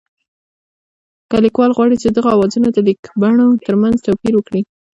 که لیکوال غواړي چې د دغو آوازونو د لیکبڼو ترمنځ توپیر وکړي